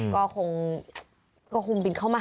ก็คงบินเข้ามา